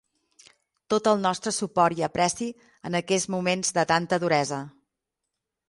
Tot el nostre suport i apreci en aquest moments de tanta duresa.